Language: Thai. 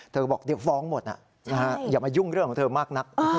บอกเดี๋ยวฟ้องหมดอย่ามายุ่งเรื่องของเธอมากนัก